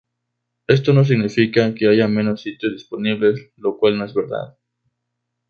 Esto no significa que haya menos sitios disponibles, lo cual no es verdad.